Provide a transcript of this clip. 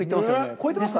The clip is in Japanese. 超えてますかね？